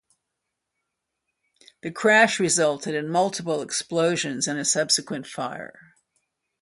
The crash resulted in multiple explosions and a subsequent fire.